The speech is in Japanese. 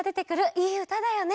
いいうただよね。